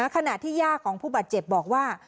ขณะที่ย่าของผู้บาดเจ็บบอกว่า